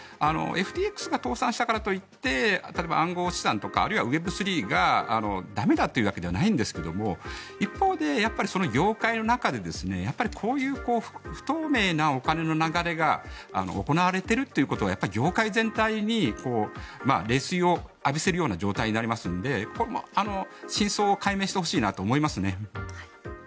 ＦＴＸが倒産したからといって例えば暗号資産とかウェブスリーが駄目というわけではないですが一方で、業界の中でこういう不透明なお金の流れが行われているということは業界全体に冷水を浴びせるような状態になりますので真相を解明してほしいなと思いますね。